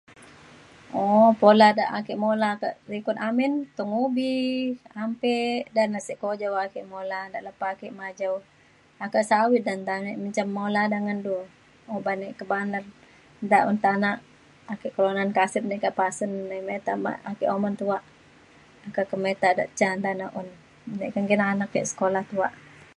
o pula de ake mula ka likut amin tung ubi ampek dan asi ujau ka ake mula da lepa ake majau akak sawit ta nta ale menjam mula da ngan du uban e kebana da un tana ake kelo ngan kasen ngan pasen tai mita ake uman tuak ake mita da ca nta na [unintelligible] sekula na tuak